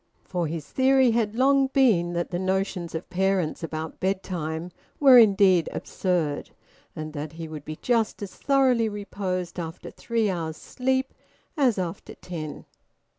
For his theory had long been that the notions of parents about bedtime were indeed absurd, and that he would be just as thoroughly reposed after three hours sleep as after ten.